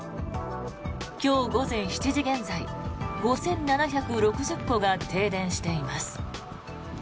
今日午前７時現在５７６０戸が停電しています。